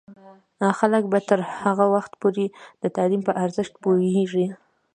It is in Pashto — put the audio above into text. خلک به تر هغه وخته پورې د تعلیم په ارزښت پوهیږي.